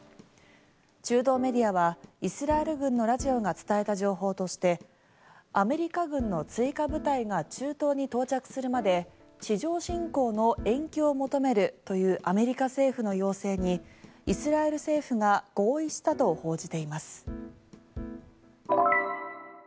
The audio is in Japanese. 中東メディアはイスラエル軍のラジオが伝えた情報として、アメリカ軍の追加部隊が中東に到着するまで地上侵攻の延期を求めるというアメリカ政府の要請にイスラエル政府が合意したと報じています。